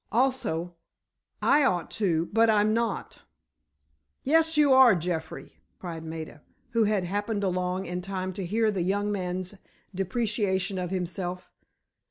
Also, I ought to, but I'm not!" "Yes you are, Jeffrey," cried Maida, who had happened along in time to hear the young man's depreciation of himself.